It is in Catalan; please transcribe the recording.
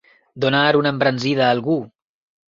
Donar una embranzida a algú.